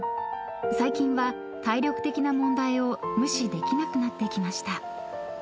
［最近は体力的な問題を無視できなくなってきました］